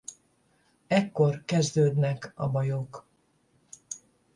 Ekkor kezdődnek a bajok.